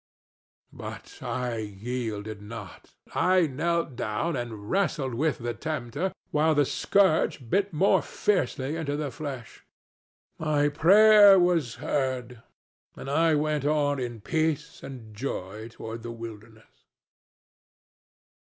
—But I yielded not; I knelt down and wrestled with the tempter, while the scourge bit more fiercely into the flesh. My prayer was heard, and I went on in peace and joy toward the wilderness."